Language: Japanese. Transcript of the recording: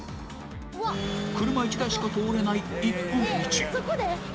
車１台しか通れない１本道。